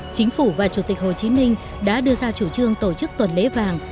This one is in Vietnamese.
chính phủ và chủ tịch hồ chí minh đã đưa ra chủ trương tổ chức tuần lễ vàng